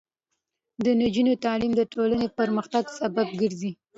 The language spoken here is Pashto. د نجونو تعلیم د ټولنې پرمختګ سبب ګرځي.